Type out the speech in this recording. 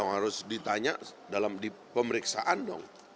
oh enggak dong harus ditanya dalam di pemeriksaan dong